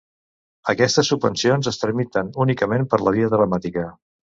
Aquestes subvencions es tramiten únicament per la via telemàtica.